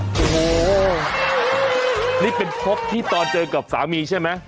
โอ้โหนี่เป็นพบที่ตอนเจอกับสามีใช่ไหม